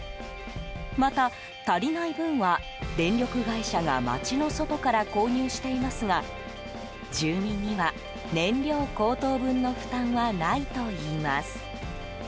また、足りない分は電力会社が街の外から購入していますが住民には燃料高騰分の負担はないといいます。